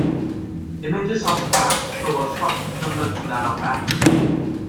Images of Pan show a structure similar to that of Atlas.